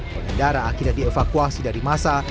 pengendara akhirnya dievakuasi dari masa